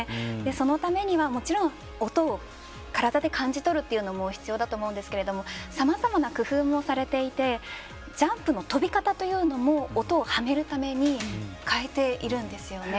そのためには、もちろん音を体で感じ取るというのも必要だと思うんですけどさまざまな工夫もされていてジャンプの跳び方というのも音をはめるために変えているんですよね。